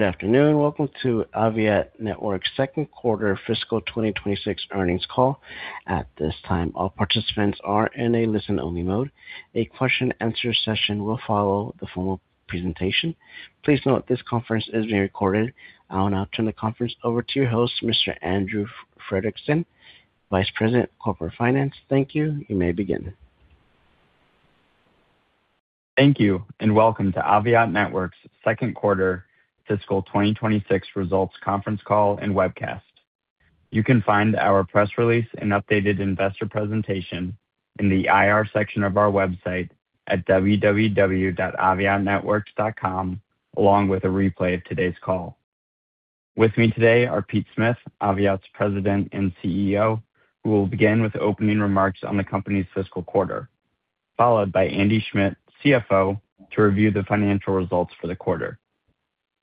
Good afternoon. Welcome to Aviat Networks' second quarter fiscal 2026 earnings call. At this time, all participants are in a listen-only mode. A question and answer session will follow the formal presentation. Please note this conference is being recorded. I will now turn the conference over to your host, Mr. Andrew Fredriksen, Vice President of Corporate Finance. Thank you. You may begin. Thank you, and welcome to Aviat Networks' second quarter fiscal 2026 results conference call and webcast. You can find our press release and updated investor presentation in the IR section of our website at www.aviatnetworks.com, along with a replay of today's call. With me today are Pete Smith, Aviat's President and CEO, who will begin with opening remarks on the company's fiscal quarter, followed by Andy Schmidt, CFO, to review the financial results for the quarter.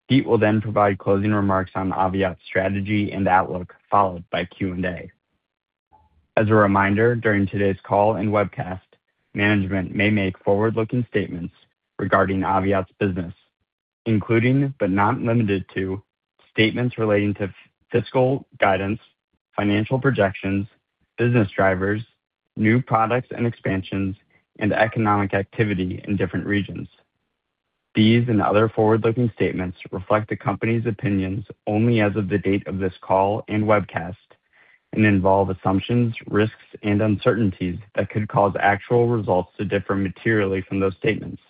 Pete will then provide closing remarks on Aviat's strategy and outlook, followed by Q&A. As a reminder, during today's call and webcast, management may make forward-looking statements regarding Aviat's business, including, but not limited to, statements relating to fiscal guidance, financial projections, business drivers, new products and expansions, and economic activity in different regions. These and other forward-looking statements reflect the company's opinions only as of the date of this call and webcast and involve assumptions, risks, and uncertainties that could cause actual results to differ materially from those statements.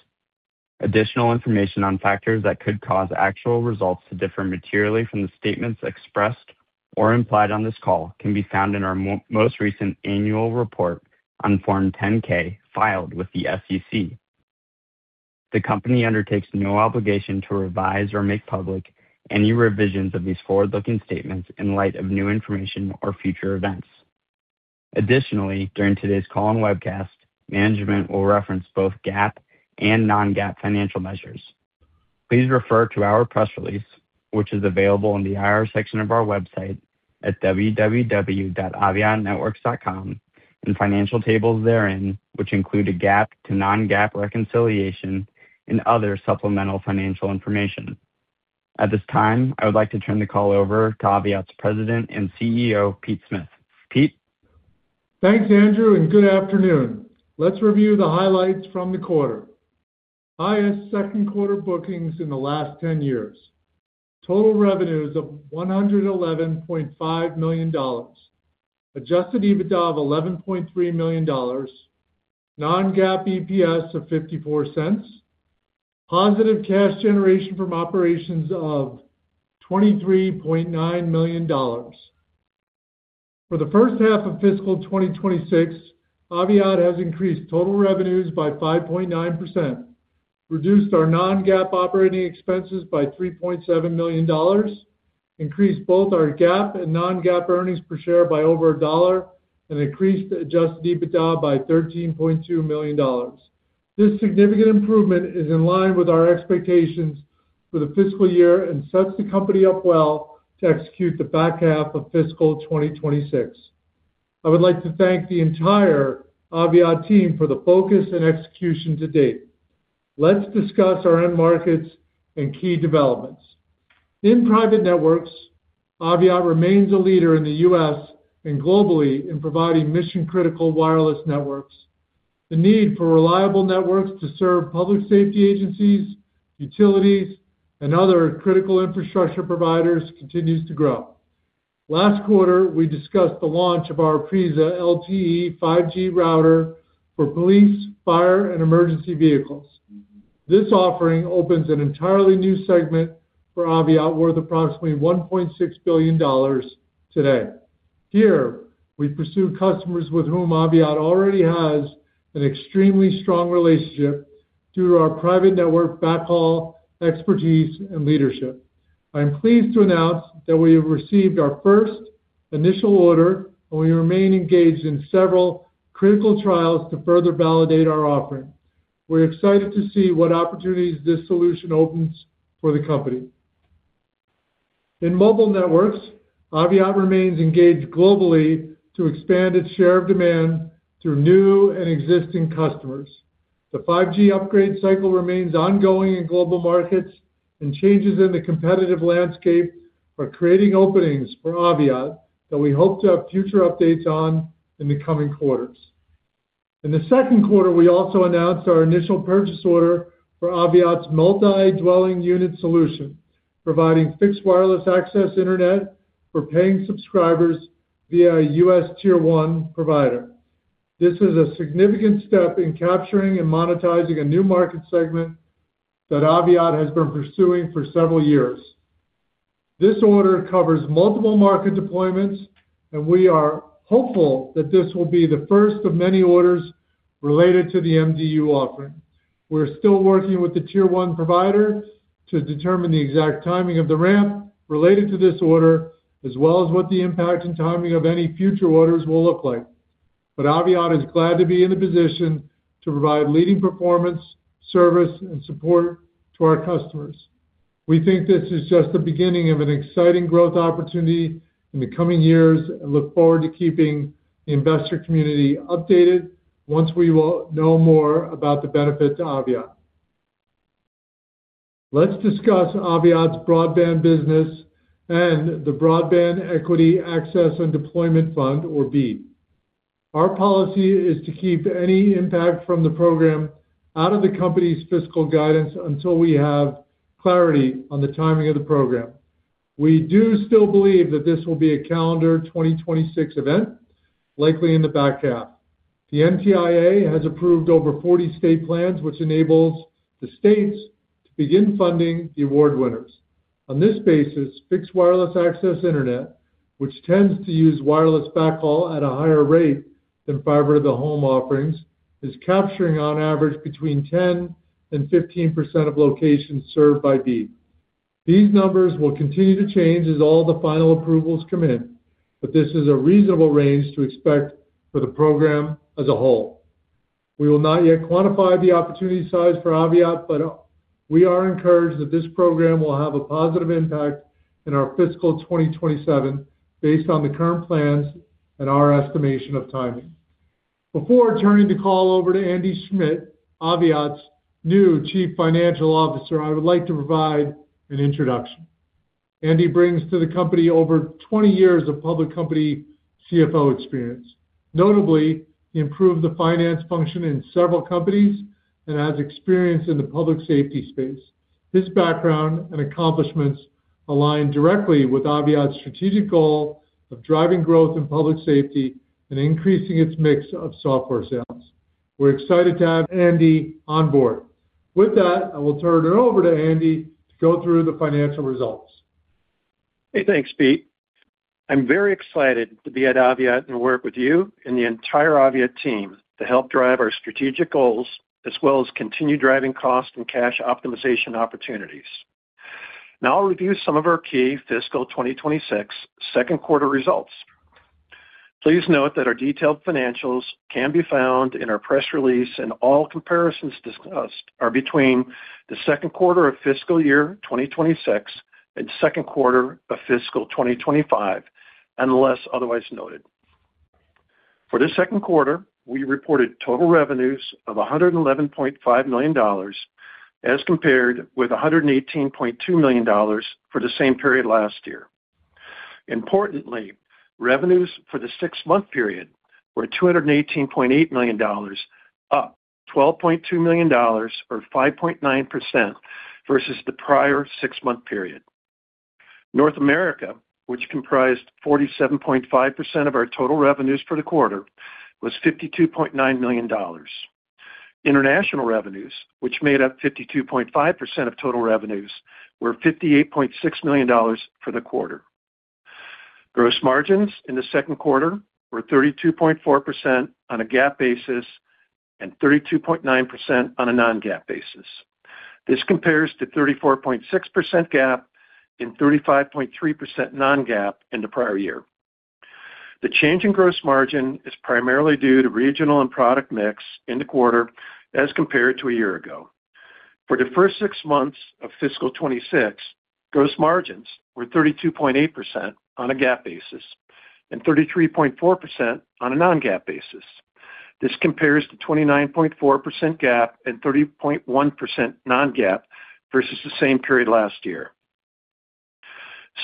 Additional information on factors that could cause actual results to differ materially from the statements expressed or implied on this call can be found in our most recent annual report on Form 10-K, filed with the SEC. The company undertakes no obligation to revise or make public any revisions of these forward-looking statements in light of new information or future events. Additionally, during today's call and webcast, management will reference both GAAP and Non-GAAP financial measures. Please refer to our press release, which is available on the IR section of our website at www.aviatnetworks.com, and financial tables therein, which include a GAAP to Non-GAAP reconciliation and other supplemental financial information. At this time, I would like to turn the call over to Aviat's President and CEO, Pete Smith. Pete? Thanks, Andrew, and good afternoon. Let's review the highlights from the quarter. Highest second quarter bookings in the last 10 years. Total revenues of $111.5 million. Adjusted EBITDA of $11.3 million. Non-GAAP EPS of $0.54. Positive cash generation from operations of $23.9 million. For the first half of fiscal 2026, Aviat has increased total revenues by 5.9%, reduced our Non-GAAP operating expenses by $3.7 million, increased both our GAAP and Non-GAAP earnings per share by over a dollar, and increased adjusted EBITDA by $13.2 million. This significant improvement is in line with our expectations for the fiscal year and sets the company up well to execute the back half of fiscal 2026. I would like to thank the entire Aviat team for the focus and execution to date. Let's discuss our end markets and key developments. In private networks, Aviat remains a leader in the U.S. and globally in providing mission-critical wireless networks. The need for reliable networks to serve public safety agencies, utilities, and other critical infrastructure providers continues to grow. Last quarter, we discussed the launch of our Aprisa LTE 5G router for police, fire, and emergency vehicles. This offering opens an entirely new segment for Aviat, worth approximately $1.6 billion today. Here, we pursue customers with whom Aviat already has an extremely strong relationship through our private network backhaul expertise and leadership. I am pleased to announce that we have received our first initial order, and we remain engaged in several critical trials to further validate our offering. We're excited to see what opportunities this solution opens for the company. In mobile networks, Aviat remains engaged globally to expand its share of demand through new and existing customers. The 5G upgrade cycle remains ongoing in global markets, and changes in the competitive landscape are creating openings for Aviat that we hope to have future updates on in the coming quarters. In the second quarter, we also announced our initial purchase order for Aviat's multi-dwelling unit solution, providing fixed wireless access internet for paying subscribers via a U.S. Tier One provider. This is a significant step in capturing and monetizing a new market segment that Aviat has been pursuing for several years. This order covers multiple market deployments, and we are hopeful that this will be the first of many orders related to the MDU offering. We're still working with the Tier One provider to determine the exact timing of the ramp related to this order, as well as what the impact and timing of any future orders will look like. But Aviat is glad to be in a position to provide leading performance, service, and support to our customers. We think this is just the beginning of an exciting growth opportunity in the coming years and look forward to keeping the investor community updated... once we will know more about the benefit to Aviat. Let's discuss Aviat's broadband business and the Broadband Equity, Access, and Deployment fund, or BEAD. Our policy is to keep any impact from the program out of the company's fiscal guidance until we have clarity on the timing of the program. We do still believe that this will be a calendar 2026 event, likely in the back half. The NTIA has approved over 40 state plans, which enables the states to begin funding the award winners. On this basis, fixed wireless access internet, which tends to use wireless backhaul at a higher rate than fiber to the home offerings, is capturing on average, between 10% and 15% of locations served by BEAD. These numbers will continue to change as all the final approvals come in, but this is a reasonable range to expect for the program as a whole. We will not yet quantify the opportunity size for Aviat, but we are encouraged that this program will have a positive impact in our fiscal 2027 based on the current plans and our estimation of timing. Before turning the call over to Andy Schmidt, Aviat's new chief financial officer, I would like to provide an introduction. Andy brings to the company over 20 years of public company CFO experience. Notably, he improved the finance function in several companies and has experience in the public safety space. His background and accomplishments align directly with Aviat's strategic goal of driving growth in public safety and increasing its mix of software sales. We're excited to have Andy on board. With that, I will turn it over to Andy to go through the financial results. Hey, thanks, Pete. I'm very excited to be at Aviat and work with you and the entire Aviat team to help drive our strategic goals, as well as continue driving cost and cash optimization opportunities. Now I'll review some of our key fiscal 2026 second quarter results. Please note that our detailed financials can be found in our press release, and all comparisons discussed are between the second quarter of fiscal year 2026 and second quarter of fiscal year 2025, unless otherwise noted. For this second quarter, we reported total revenues of $111.5 million, as compared with $118.2 million for the same period last year. Importantly, revenues for the six-month period were $218.8 million, up $12.2 million, or 5.9% versus the prior six-month period. North America, which comprised 47.5% of our total revenues for the quarter, was $52.9 million. International revenues, which made up 52.5% of total revenues, were $58.6 million for the quarter. Gross margins in the second quarter were 32.4% on a GAAP basis and 32.9% on a Non-GAAP basis. This compares to 34.6% GAAP and 35.3% Non-GAAP in the prior year. The change in gross margin is primarily due to regional and product mix in the quarter as compared to a year ago. For the first six months of fiscal 2026, gross margins were 32.8% on a GAAP basis and 33.4% on a Non-GAAP basis. This compares to 29.4% GAAP and 30.1% Non-GAAP versus the same period last year.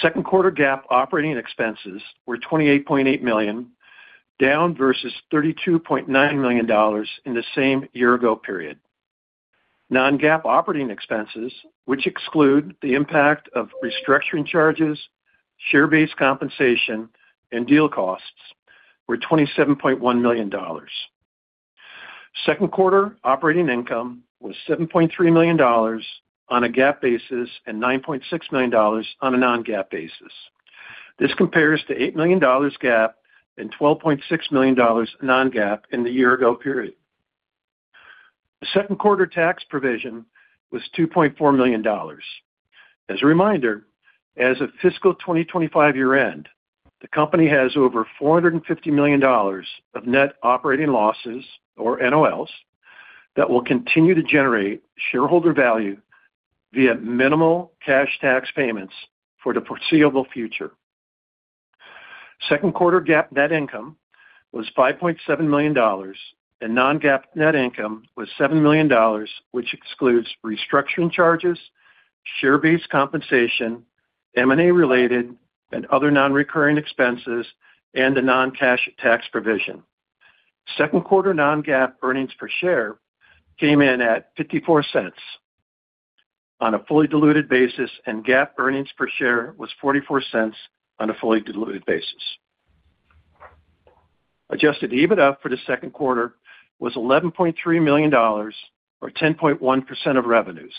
Second quarter GAAP operating expenses were $28.8 million, down versus $32.9 million in the same year-ago period. Non-GAAP operating expenses, which exclude the impact of restructuring charges, share-based compensation, and deal costs, were $27.1 million. Second quarter operating income was $7.3 million on a GAAP basis and $9.6 million on a Non-GAAP basis. This compares to $8 million GAAP and $12.6 million Non-GAAP in the year-ago period. The second quarter tax provision was $2.4 million. As a reminder, as of fiscal 2025 year-end, the company has over $450 million of net operating losses, or NOLs, that will continue to generate shareholder value via minimal cash tax payments for the foreseeable future. Second quarter GAAP net income was $5.7 million, and Non-GAAP net income was $7 million, which excludes restructuring charges, share-based compensation, M&A-related and other non-recurring expenses, and a non-cash tax provision. Second quarter Non-GAAP earnings per share came in at $0.54 on a fully diluted basis, and GAAP earnings per share was $0.44 on a fully diluted basis. Adjusted EBITDA for the second quarter was $11.3 million, or 10.1% of revenues.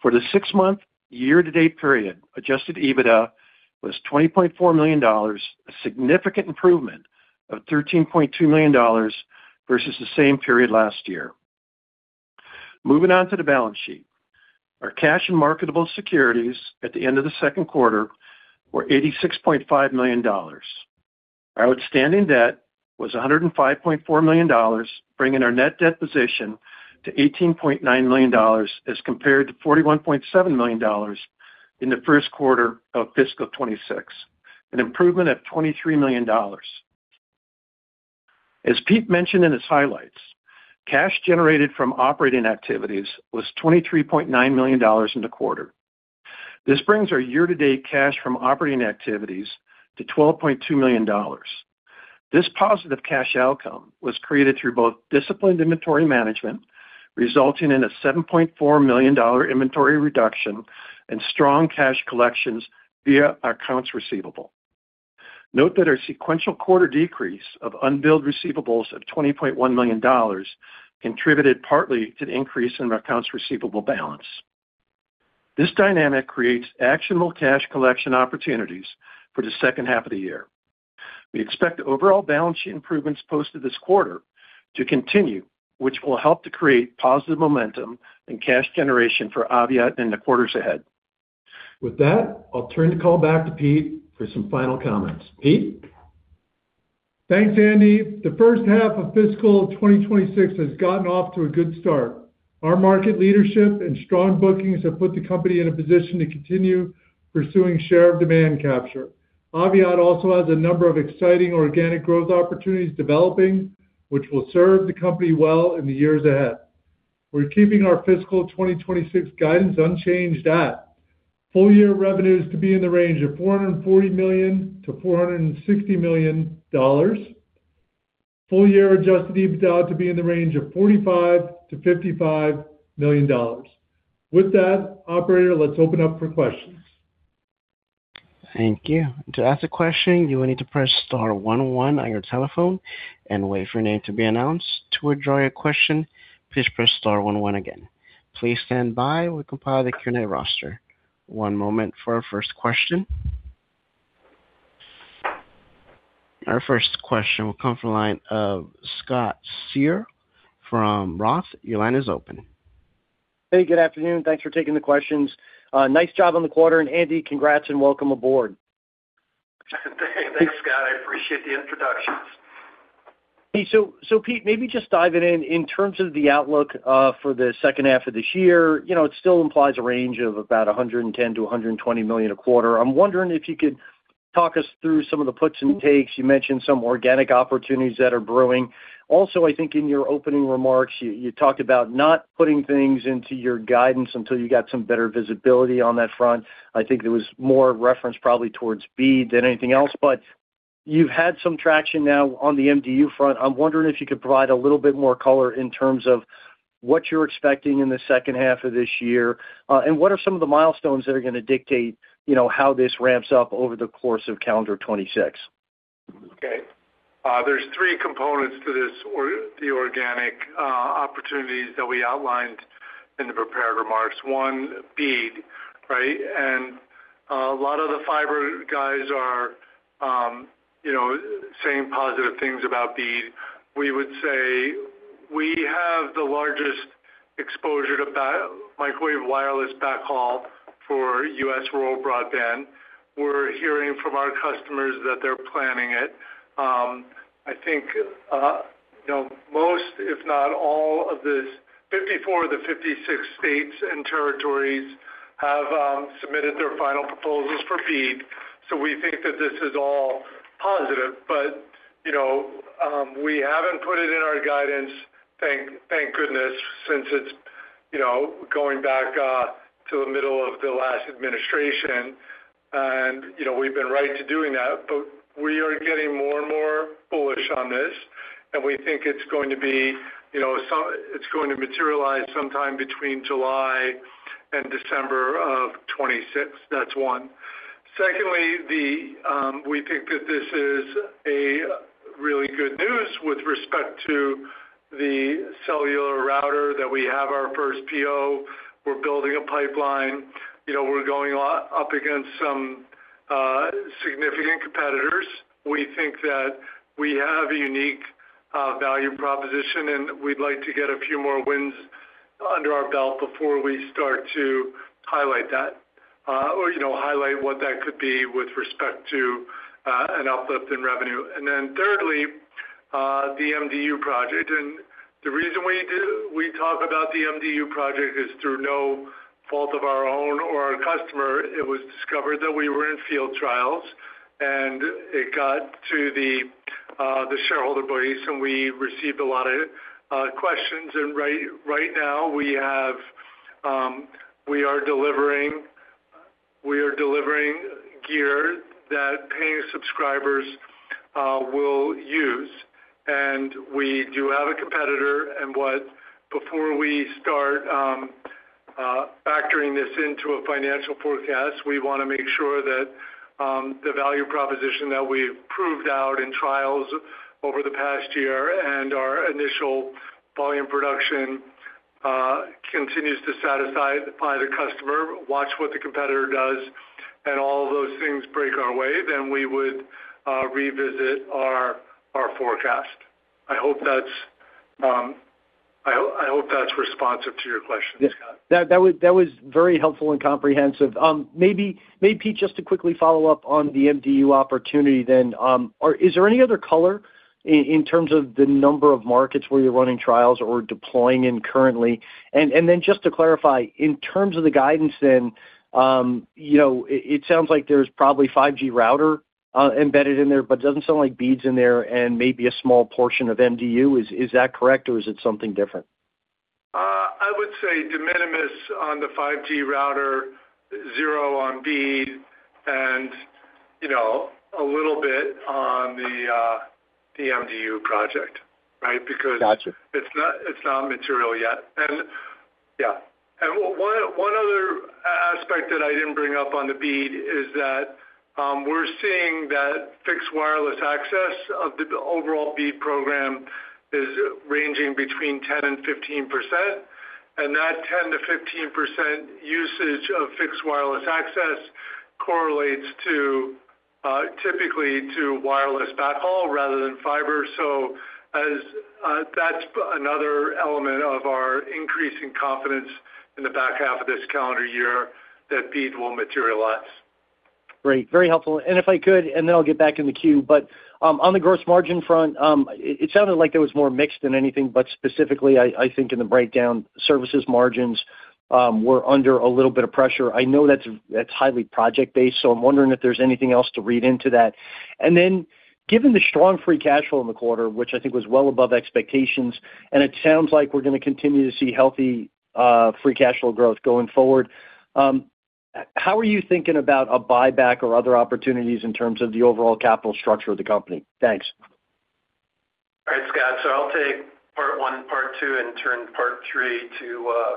For the six-month year-to-date period, Adjusted EBITDA was $20.4 million, a significant improvement of $13.2 million versus the same period last year. Moving on to the balance sheet. Our cash and marketable securities at the end of the second quarter were $86.5 million. Our outstanding debt was $105.4 million, bringing our net debt position to $18.9 million, as compared to $41.7 million in the first quarter of fiscal 2026, an improvement of $23 million. As Pete mentioned in his highlights, cash generated from operating activities was $23.9 million in the quarter. This brings our year-to-date cash from operating activities to $12.2 million. This positive cash outcome was created through both disciplined inventory management, resulting in a $7.4 million inventory reduction and strong cash collections via our accounts receivable. Note that our sequential quarter decrease of unbilled receivables of $20.1 million contributed partly to the increase in our accounts receivable balance. This dynamic creates actionable cash collection opportunities for the second half of the year. We expect the overall balance sheet improvements posted this quarter to continue, which will help to create positive momentum and cash generation for Aviat in the quarters ahead. With that, I'll turn the call back to Pete for some final comments. Pete? Thanks, Andy. The first half of fiscal 2026 has gotten off to a good start. Our market leadership and strong bookings have put the company in a position to continue pursuing share of demand capture. Aviat also has a number of exciting organic growth opportunities developing, which will serve the company well in the years ahead. We're keeping our fiscal 2026 guidance unchanged at full year revenues to be in the range of $440 million-$460 million. Full year adjusted EBITDA to be in the range of $45 million-$55 million. With that, operator, let's open up for questions. Thank you. To ask a question, you will need to press star one one on your telephone and wait for your name to be announced. To withdraw your question, please press star one one again. Please stand by while we compile the Q&A roster. One moment for our first question. Our first question will come from the line of Scott Searle from Roth MKM. Your line is open. Hey, good afternoon. Thanks for taking the questions. Nice job on the quarter, and Andy, congrats and welcome aboard. Thanks, Scott. I appreciate the introduction. So, so Pete, maybe just diving in, in terms of the outlook for the second half of this year, you know, it still implies a range of about $110 million-$120 million a quarter. I'm wondering if you could talk us through some of the puts and takes. You mentioned some organic opportunities that are brewing. Also, I think in your opening remarks, you talked about not putting things into your guidance until you got some better visibility on that front. I think there was more reference probably towards BEAD than anything else, but you've had some traction now on the MDU front. I'm wondering if you could provide a little bit more color in terms of what you're expecting in the second half of this year, and what are some of the milestones that are going to dictate, you know, how this ramps up over the course of calendar 2026? Okay. There's three components to this the organic opportunities that we outlined in the prepared remarks. One, BEAD, right? And, a lot of the fiber guys are, you know, saying positive things about BEAD. We would say we have the largest exposure to microwave wireless backhaul for U.S. rural broadband. We're hearing from our customers that they're planning it. I think, you know, most, if not all, of the 54 states of the 56 states and territories have submitted their final proposals for BEAD, so we think that this is all positive. But, you know, we haven't put it in our guidance, thank, thank goodness, since it's, you know, going back to the middle of the last administration, and, you know, we've been right to doing that. But we are getting more and more bullish on this, and we think it's going to be, you know, it's going to materialize sometime between July of 2026 and December of 2026. That's one. Secondly, we think that this is a really good news with respect to the cellular router, that we have our first PO. We're building a pipeline. You know, we're going up against some significant competitors. We think that we have a unique value proposition, and we'd like to get a few more wins under our belt before we start to highlight that, or, you know, highlight what that could be with respect to an uplift in revenue. And then thirdly, the MDU project. And the reason we talk about the MDU project is through no fault of our own or our customer. It was discovered that we were in field trials, and it got to the shareholder bodies, and we received a lot of questions. Right now, we are delivering gear that paying subscribers will use, and we do have a competitor. Before we start factoring this into a financial forecast, we want to make sure that the value proposition that we've proved out in trials over the past year and our initial volume production continues to satisfy the customer, watch what the competitor does, and all of those things break our way, then we would revisit our forecast. I hope that's... I hope that's responsive to your question, Scott. Yes, that was very helpful and comprehensive. Maybe, Pete, just to quickly follow up on the MDU opportunity then, is there any other color in terms of the number of markets where you're running trials or deploying currently? And then just to clarify, in terms of the guidance then, you know, it sounds like there's probably 5G router embedded in there, but it doesn't sound like BEAD's in there and maybe a small portion of MDU. Is that correct, or is it something different? I would say de minimis on the 5G router, zero on BEAD, and, you know, a little bit on the MDU project, right? Because- Gotcha. It's not, it's not material yet. And yeah, and one other aspect that I didn't bring up on the BEAD is that we're seeing that fixed wireless access of the overall BEAD program is ranging between 10% and 15%, and that 10%-15% usage of fixed wireless access correlates to typically to wireless backhaul rather than fiber. So that's another element of our increasing confidence in the back half of this calendar year that BEAD will materialize. Great. Very helpful. And if I could, and then I'll get back in the queue, but on the gross margin front, it sounded like there was more mixed than anything, but specifically, I think in the breakdown, services margins were under a little bit of pressure. I know that's highly project-based, so I'm wondering if there's anything else to read into that. And then given the strong free cash flow in the quarter, which I think was well above expectations, and it sounds like we're gonna continue to see healthy free cash flow growth going forward, how are you thinking about a buyback or other opportunities in terms of the overall capital structure of the company? Thanks. All right, Scott, so I'll take part one and part two and turn part three to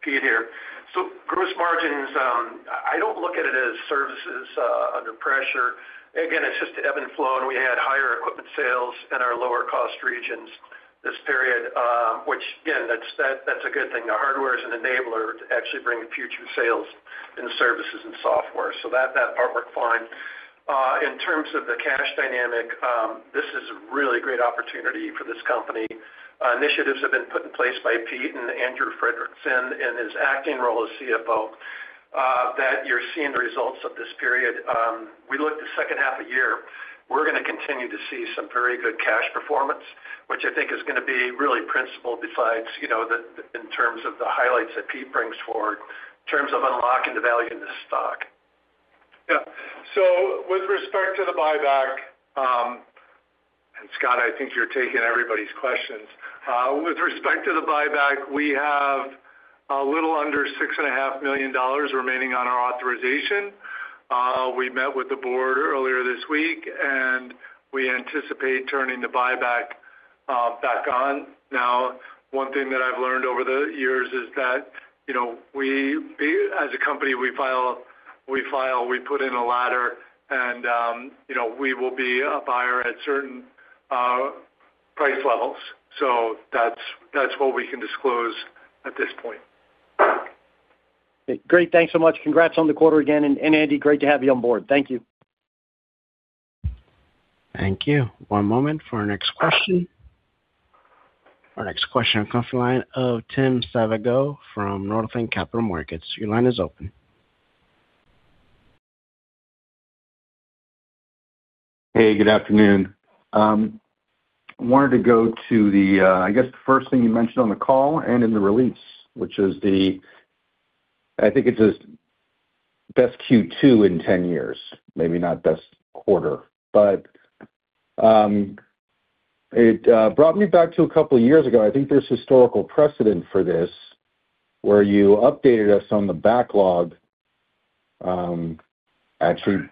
Pete here. So gross margins, I don't look at it as services under pressure. Again, it's just ebb and flow, and we had higher equipment sales in our lower-cost regions this period, which, again, that's, that, that's a good thing. The hardware is an enabler to actually bring future sales in services and software, so that, that part worked fine. In terms of the cash dynamic, this is a really great opportunity for this company. Initiatives have been put in place by Pete and Andrew Frederiksen in his acting role as CFO, that you're seeing the results of this period. We look to the second half of the year. We're gonna continue to see some very good cash performance, which I think is gonna be really principal besides, you know, in terms of the highlights that Pete brings forward in terms of unlocking the value in this stock. Yeah. So with respect to the buyback, and Scott, I think you're taking everybody's questions. With respect to the buyback, we have a little under $6.5 million remaining on our authorization. We met with the board earlier this week, and we anticipate turning the buyback back on. Now, one thing that I've learned over the years is that, you know, we, as a company, we file, we file, we put in a ladder, and, you know, we will be a buyer at certain price levels. So that's, that's what we can disclose at this point. Great. Thanks so much. Congrats on the quarter again. And, and Andy, great to have you on board. Thank you. Thank you. One moment for our next question. Our next question comes from the line of Tim Savageaux from Northland Capital Markets. Your line is open. Hey, good afternoon. Wanted to go to the, I guess the first thing you mentioned on the call and in the release, which is the... I think it's the best Q2 in 10 years, maybe not best quarter, but, it brought me back to a couple of years ago. I think there's historical precedent for this, where you updated us on the backlog, actually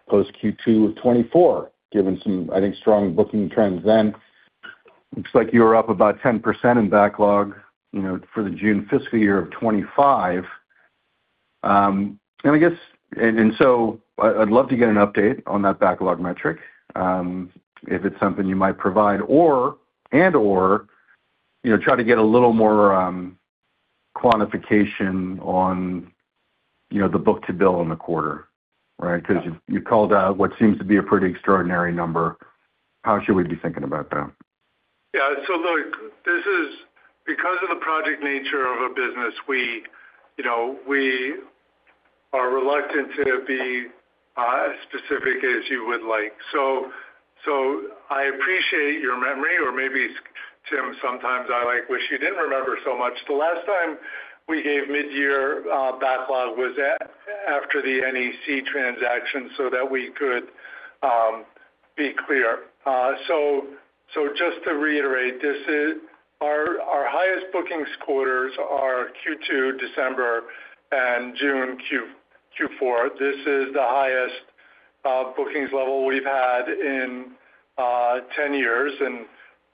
post Q2 of 2024, given some, I think, strong booking trends then. Looks like you were up about 10% in backlog, you know, for the June fiscal year of 2025. And I guess, and so I, I'd love to get an update on that backlog metric, if it's something you might provide, or, and/or, you know, try to get a little more quantification on, you know, the book-to-bill in the quarter, right? 'Cause you called out what seems to be a pretty extraordinary number. How should we be thinking about that? Yeah. So look, this is because of the project nature of our business, you know, we are reluctant to be as specific as you would like. So, so I appreciate your memory, or maybe, Tim, sometimes I, like, wish you didn't remember so much. The last time we gave midyear backlog was after the NEC transaction so that we could be clear. So, so just to reiterate, this is... Our, our highest bookings quarters are Q2, December, and June, Q4. This is the highest bookings level we've had in 10 years, and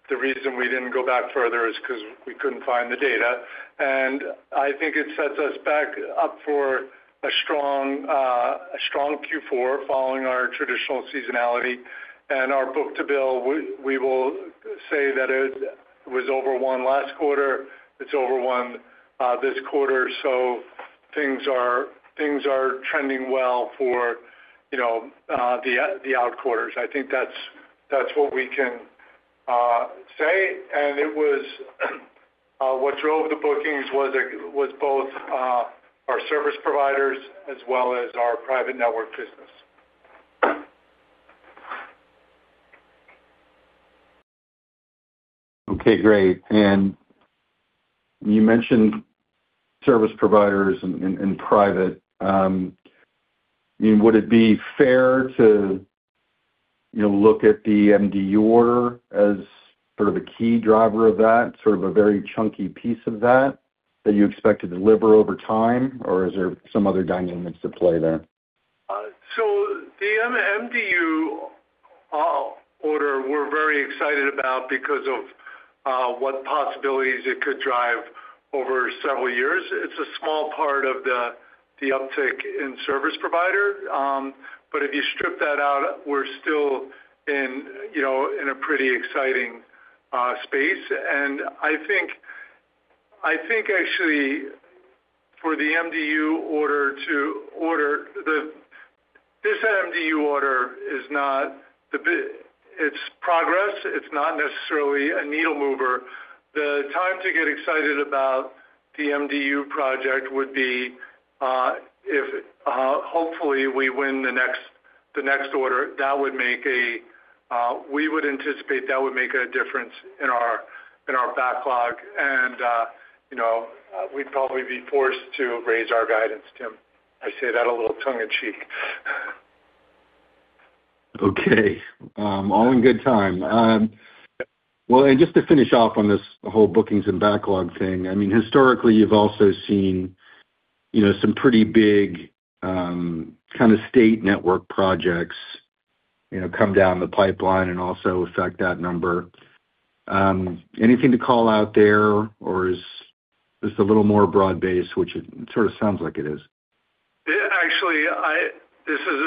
the reason we didn't go back further is 'cause we couldn't find the data. And I think it sets us back up for a strong a strong Q4 following our traditional seasonality. And our book-to-bill, we, we will say that it was over one last quarter. It's over one this quarter. Things are trending well for, you know, the out quarters. I think that's what we can say. And it was what drove the bookings was both our service providers as well as our private network business. Okay, great. And you mentioned service providers in private. Would it be fair to, you know, look at the MDU order as sort of a key driver of that, sort of a very chunky piece of that, that you expect to deliver over time, or is there some other dynamics at play there? So the MDU order, we're very excited about because of what possibilities it could drive over several years. It's a small part of the uptick in service provider, but if you strip that out, we're still in, you know, in a pretty exciting space. And I think actually for the MDU order... This MDU order is not the big—it's progress, it's not necessarily a needle mover. The time to get excited about the MDU project would be if hopefully we win the next order. That would make a, we would anticipate that would make a difference in our backlog, and you know, we'd probably be forced to raise our guidance, Tim. I say that a little tongue in cheek. Okay, all in good time. Well, and just to finish off on this whole bookings and backlog thing, I mean, historically, you've also seen, you know, some pretty big, kinda state network projects, you know, come down the pipeline and also affect that number. Anything to call out there, or is this a little more broad-based, which it sort of sounds like it is? Yeah, actually, this is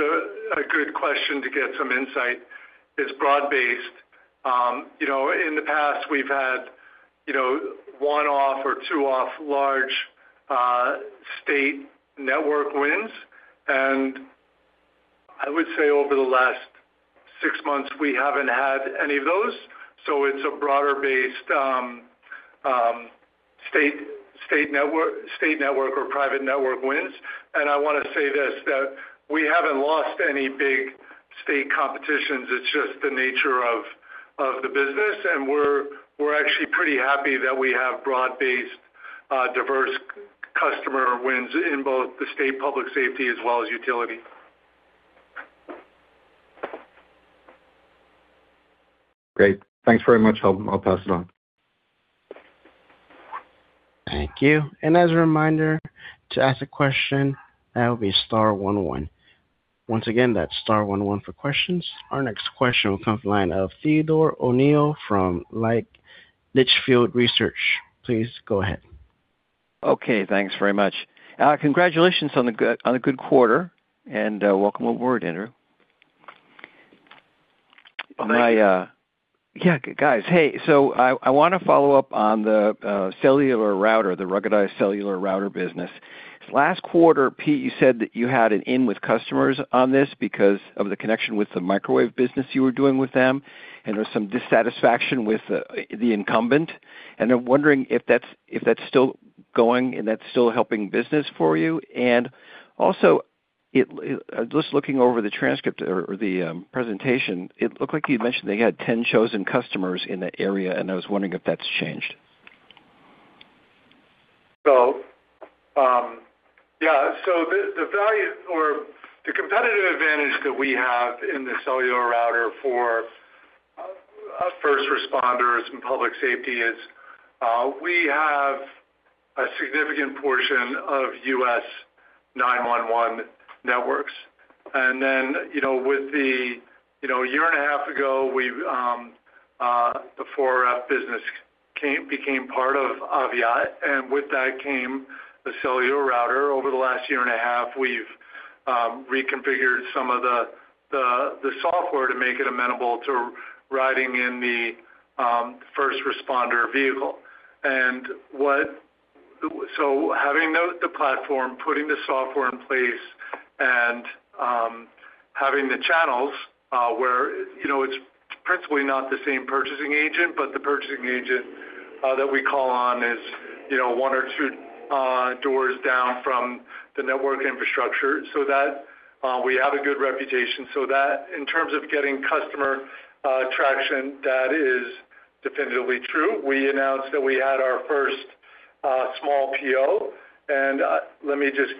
a good question to get some insight. It's broad-based. You know, in the past we've had, you know, one-off or two-off large state network wins, and I would say over the last six months, we haven't had any of those, so it's a broader-based state network or private network wins. And I wanna say this, that we haven't lost any big state competitions. It's just the nature of the business, and we're actually pretty happy that we have broad-based diverse customer wins in both the state public safety as well as utility. Great. Thanks very much. I'll, I'll pass it on. Thank you. As a reminder, to ask a question, that will be star one one. Once again, that's star one one for questions. Our next question will come from the line of Theodore O'Neill from Litchfield Hills Research. Please go ahead. Okay, thanks very much. Congratulations on the good quarter, and welcome aboard, Andrew. Yeah, guys, hey, so I wanna follow up on the cellular router, the ruggedized cellular router business. Last quarter, Pete, you said that you had an in with customers on this because of the connection with the microwave business you were doing with them, and there was some dissatisfaction with the incumbent. And I'm wondering if that's still going and that's still helping business for you. And also, just looking over the transcript or the presentation, it looked like you mentioned they had 10 chosen customers in that area, and I was wondering if that's changed. So, yeah. So the value or the competitive advantage that we have in the cellular router for first responders and public safety is we have a significant portion of U.S. 911 networks. And then, you know, with the, you know, a year and a half ago, we've before our business became part of Aviat, and with that came the cellular router. Over the last year and a half, we've reconfigured some of the software to make it amenable to riding in the first responder vehicle. And what... So having the platform, putting the software in place, and having the channels, where, you know, it's principally not the same purchasing agent, but the purchasing agent that we call on is, you know, one or two doors down from the network infrastructure, so that we have a good reputation. So that in terms of getting customer traction, that is definitively true. We announced that we had our first small PO, and let me just...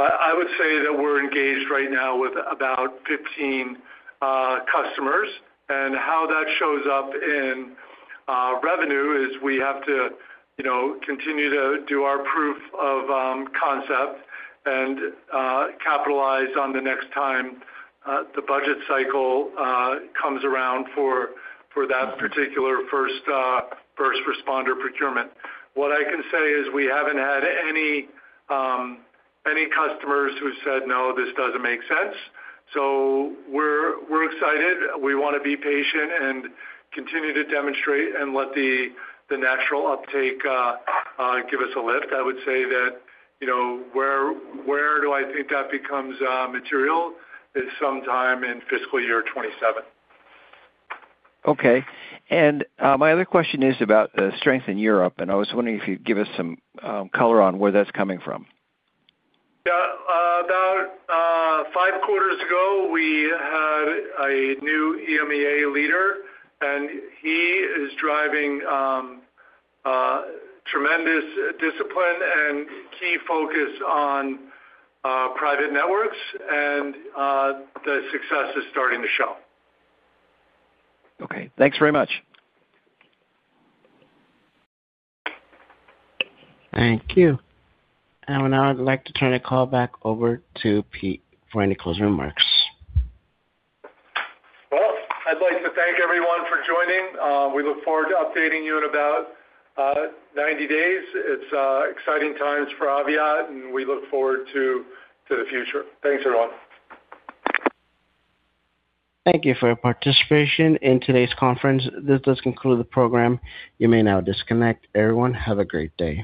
I would say that we're engaged right now with about 15 customers, and how that shows up in revenue is we have to, you know, continue to do our proof of concept and capitalize on the next time the budget cycle comes around for that particular first responder procurement. What I can say is we haven't had any, any customers who said, "No, this doesn't make sense." So we're, we're excited. We wanna be patient and continue to demonstrate and let the, the natural uptake give us a lift. I would say that, you know, where, where do I think that becomes material? Is sometime in fiscal year 2027. Okay. And, my other question is about the strength in Europe, and I was wondering if you'd give us some color on where that's coming from. Yeah. About five quarters ago, we had a new EMEA leader, and he is driving tremendous discipline and key focus on private networks, and the success is starting to show. Okay, thanks very much. Thank you. And now I'd like to turn the call back over to Pete for any closing remarks. Well, I'd like to thank everyone for joining. We look forward to updating you in about 90 days. It's exciting times for Aviat, and we look forward to the future. Thanks, everyone. Thank you for your participation in today's conference. This does conclude the program. You may now disconnect. Everyone, have a great day.